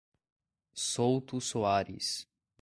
Souto Soares